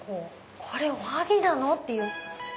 これおはぎなの⁉っていう。